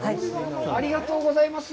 ありがとうございます。